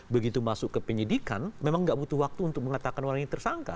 begitu masuk ke penyidikan memang nggak butuh waktu untuk mengatakan orang ini tersangka